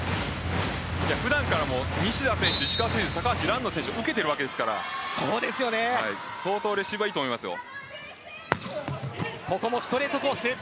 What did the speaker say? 普段から西田選手、石川選手球を受けているわけですから相当レシーブいいと思いますよ。